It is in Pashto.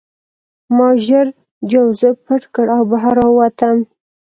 ما ژر جوزف پټ کړ او بهر راووتم